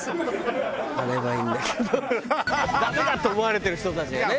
ダメだと思われてる人たちがね。